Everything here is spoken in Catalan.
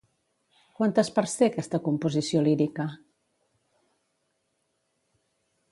Quantes parts té aquesta composició lírica?